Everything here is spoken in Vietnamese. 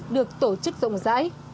được tổ chức rộng rãi